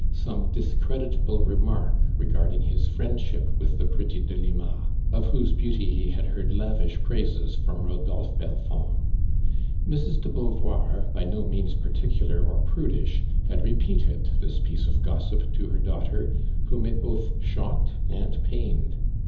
some discredit able reihark regarding his friendship with the ptetty Delima, of whose beauty he had heard lavisli praises from RodOlpheBelfotid. Mrs, de Beauvoir, by no means particulaV or prudish, had repeated this piece of g696ip to her daughter. Whom it both shocked *od pained.